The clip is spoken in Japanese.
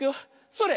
それ！